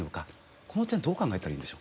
この点どう考えたらいいんでしょう。